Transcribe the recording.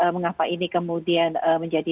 mengapa ini kemudian menjadi